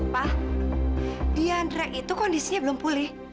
pak diandra itu kondisinya belum pulih